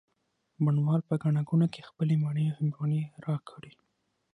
بڼ وال په ګڼه ګوڼه کي خپلې مڼې او هندواڼې را کړې